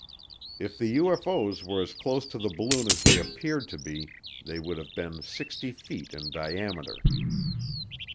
If the UFO's were as close to the balloon as they appeared to be they would have been 60 feet in diameter.